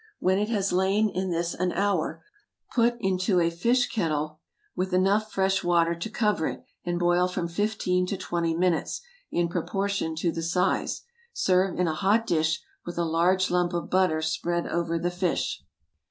When it has lain in this an hour, put into a fish kettle with enough fresh water to cover it, and boil from fifteen to twenty minutes, in proportion to the size. Serve in a hot dish, with a large lump of butter spread over the fish.